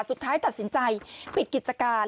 สุดท้ายตัดสินใจปิดกิจการ